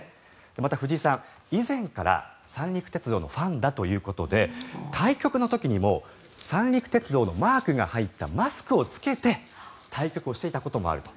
また、藤井さん、以前から三陸鉄道のファンだということで対局の時にも三陸鉄道のマークが入ったマスクを着けて対局をしていたこともあると。